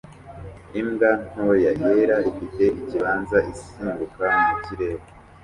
Imbwa ntoya yera ifite ikibanza isimbuka mu kirere